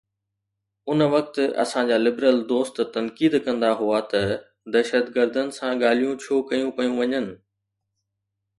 ان وقت اسان جا لبرل دوست تنقيد ڪندا هئا ته دهشتگردن سان ڳالهيون ڇو ڪيون پيون وڃن؟